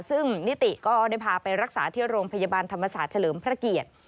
ซึ่งนิติก็ได้พาไปรักษาที่โรงพยาบาลธรรมศาสตร์เฉลิมพระเกียรติ